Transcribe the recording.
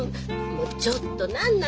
もうちょっと何なの？